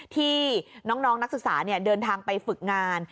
ที่น้องนักศึกษาเดินทางไปฝึกงาน